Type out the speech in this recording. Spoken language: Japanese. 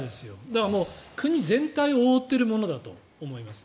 だから、国全体を覆っているものだと思います。